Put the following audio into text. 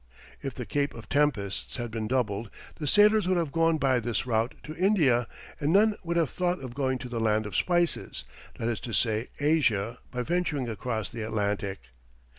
If the Cape of Tempests had been doubled, the sailors would have gone by this route to India, and none would have thought of going to the "Land of Spices," that is to say Asia, by venturing across the Atlantic.